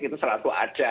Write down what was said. itu selalu ada